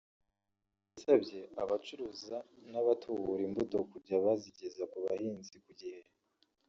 yasabye abacuruza n’abatubura imbuto kujya bazigeza ku bahinzi ku gihe